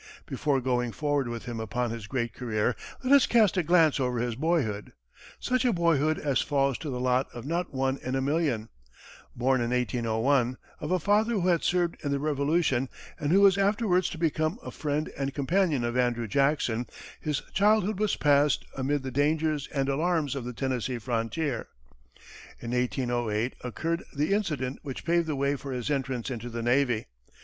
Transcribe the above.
Before going forward with him upon his great career, let us cast a glance over his boyhood such a boyhood as falls to the lot of not one in a million. Born in 1801, of a father who had served in the Revolution and who was afterwards to become a friend and companion of Andrew Jackson, his childhood was passed amid the dangers and alarms of the Tennessee frontier. In 1808 occurred the incident which paved the way for his entrance into the navy.